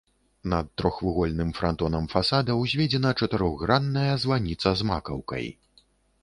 Над трохвугольным франтонам фасада ўзведзена чатырохгранная званіца з макаўкай.